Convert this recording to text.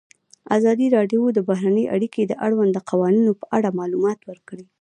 ازادي راډیو د بهرنۍ اړیکې د اړونده قوانینو په اړه معلومات ورکړي.